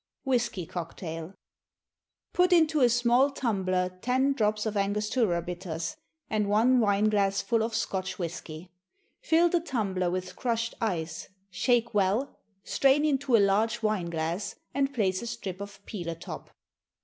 Whisky Cocktail. Put into a small tumbler ten drops of Angostura bitters, and one wine glassful of Scotch whisky. Fill the tumbler with crushed ice, shake well, strain into a large wine glass, and place a strip of peel atop.